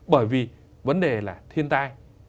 bởi vì vấn đề là thiên tai